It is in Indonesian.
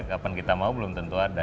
kapan kita mau belum tentu ada